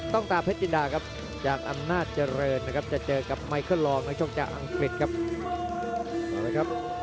ต้องต่อเพชรจินดา